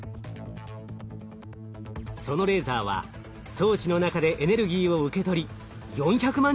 そのレーザーは装置の中でエネルギーを受け取り４００万